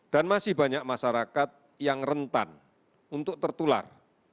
dan masih banyak masyarakat yang rentan untuk tertular